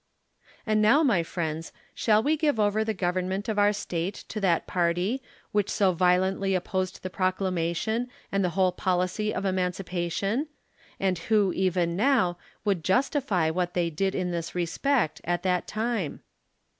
And now, my friends, shall we give over the Government of our State to that part}', which so violently opposed the proclamation and the whole policy of emancipation, and Avho, even now, would justify what they did in this respect, at that time